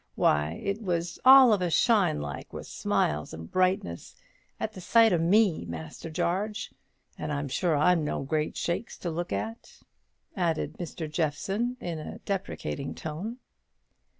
Why, it was all of a shine like with smiles and brightness, at the sight o' me, Master Jarge; and I'm sure I'm no great shakes to look at," added Mr. Jeffson, in a deprecating tone.